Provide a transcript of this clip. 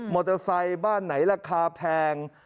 เตอร์ไซค์บ้านไหนราคาแพง